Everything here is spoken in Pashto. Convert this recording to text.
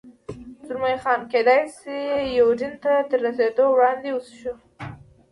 زلمی خان: کېدای شي یوډین ته تر رسېدو وړاندې، وڅښو.